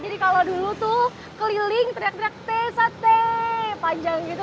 jadi kalau dulu tuh keliling teriak teriak tee sate panjang gitu